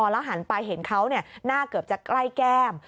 แล้วหันไปเห็นเขาหน้าเกือบจะใกล้แก้ม